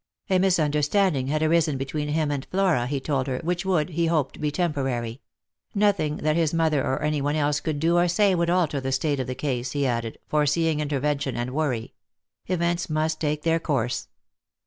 A misunderstanding had arisen between him and Flora, he told her, which would, he hoped, be temporary ; nothing that his mother or any one else could do or say would alter the state of the case, he added, fore seeing intervention and worry ; events must take their course.